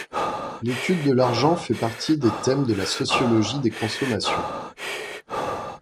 L'étude de l'argent fait partie des thèmes de la sociologie des consommations.